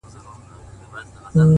صدقه دي تر تقوا او تر سخا سم”